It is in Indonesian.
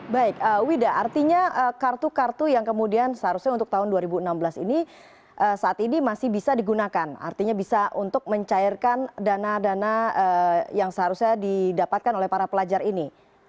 baik wida artinya kartu kartu yang kemudian seharusnya untuk tahun dua ribu enam belas ini saat ini masih bisa digunakan artinya bisa untuk mencairkan dana dana yang seharusnya didapatkan oleh para pelajar ini